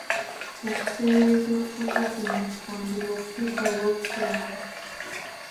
Okuteebereza okukolebwa ku muntu kwandiba okutuufu oba okukyamu.